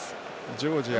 ジョージア